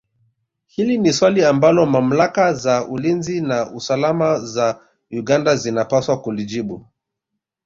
Hili ni swali ambalo mamlaka za ulinzi na usalama za Uganda zinapaswa kulijibu